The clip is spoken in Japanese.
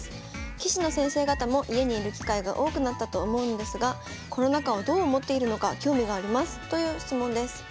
棋士の先生方も家に居る機会が多くなったと思うのですがコロナ禍をどう思っているのか興味があります」という質問です。